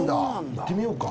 行ってみようか。